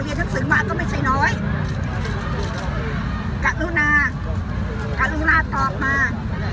เรียนหนังสือมาก็ไม่ใช่น้อยกับลูกหน้ากับลูกหน้าตอบมา